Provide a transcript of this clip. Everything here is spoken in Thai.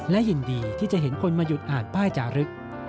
และยินดีที่จะเห็นคนมาหยุดอ่านป้ายจารึก